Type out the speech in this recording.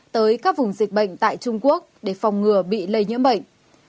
tới các vùng dịch bệnh tại trung quốc để phòng ngừa bị lây nhiễm bệnh